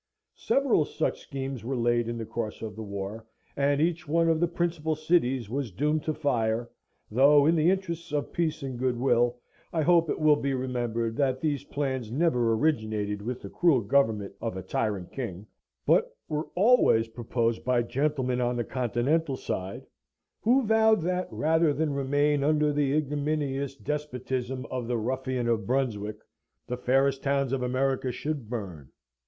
Several such schemes were laid in the course of the war, and each one of the principal cities was doomed to fire; though, in the interests of peace and goodwill, I hope it will be remembered that these plans never originated with the cruel government of a tyrant king, but were always proposed by gentlemen on the Continental side, who vowed that, rather than remain under the ignominious despotism of the ruffian of Brunswick, the fairest towns of America should burn.